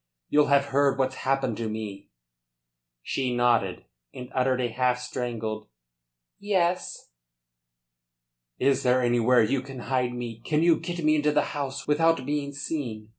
You'll have heard what's happened to me?" She nodded, and uttered a half strangled "Yes." "Is there anywhere you can hide me? Can you get me into the house without being seen?